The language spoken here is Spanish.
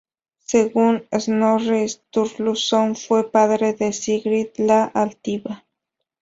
Según Snorri Sturluson, fue padre de Sigrid la Altiva.